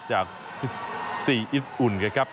จาก๔อิสอุ่นครับ